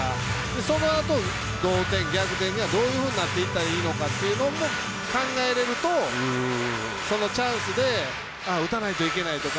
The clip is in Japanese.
そのあと、同点、逆転にはどういうふうになっていったらいいのかというのも考えられるとそのチャンスで打たないといけないとか。